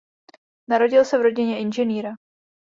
Narodil se v rodině inženýra.